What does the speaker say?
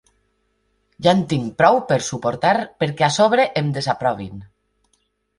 Ja en tinc prou per suportar perquè a sobre em desaprovin.